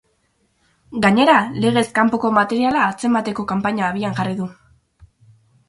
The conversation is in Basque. Gainera, legez kanpoko materiala atzemateko kanpaina abian jarri du.